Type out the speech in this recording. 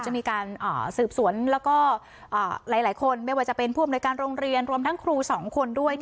ไม่ว่าจะเป็นผู้อำนวยการโรงเรียนรวมทางครู๒คนด้วย